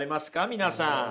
皆さん。